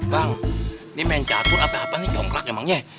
bang ini main catur apa apaan nih jongklak emangnya